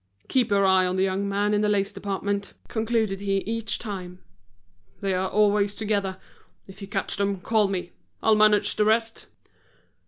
"Keep your eye on the young man in the lace department," concluded he each time. "They are always together. If you catch them, call me, I'll manage the rest."